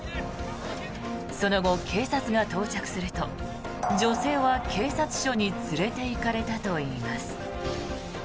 その後、警察が到着すると女性は警察署に連れていかれたといいます。